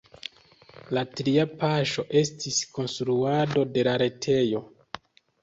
La tria paŝo estis konstruado de la retejo.